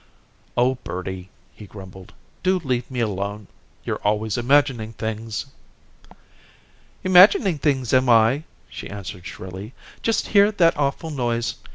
"Oh, birdie," he grumbled, "do leave me alone; you're always imagining things." "Imagining things, am I?" she answered shrilly. "Just hear that awful noise.